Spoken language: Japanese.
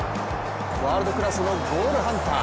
ワールドクラスのボールハンター。